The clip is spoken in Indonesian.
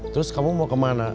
terus kamu mau kemana